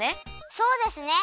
そうですね。